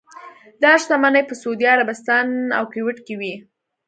دا شتمنۍ په سعودي عربستان او کویټ کې وې.